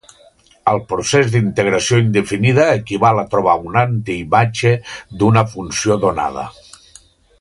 El procés d'integració indefinida equival a trobar una antiimatge d'una funció donada.